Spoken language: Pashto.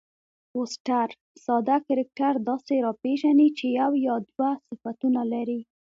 فوسټر ساده کرکټر داسي راپېژني، چي یو یا دوه صفتونه لري.